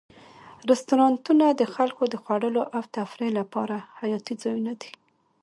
رستورانتونه د خلکو د خوړلو او تفریح لپاره حیاتي ځایونه دي.